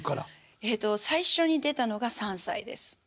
えっと最初に出たのが３歳です。